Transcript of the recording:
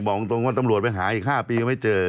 บอกตรงว่าตำรวจไปหาอีก๕ปีก็ไม่เจอ